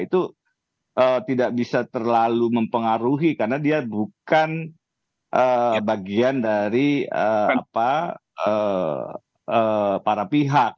itu tidak bisa terlalu mempengaruhi karena dia bukan bagian dari para pihak